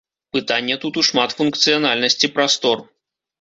Пытанне тут у шматфункцыянальнасці прастор.